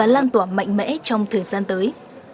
làm tỏa mạnh mẽ trong thời gian tới